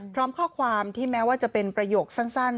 พร้อมข้อความที่แม้ว่าจะเป็นประโยคสั้น